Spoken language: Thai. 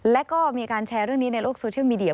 แล้วก็มีการแชร์เรื่องนี้ในโลกโซเชียลมีเดีย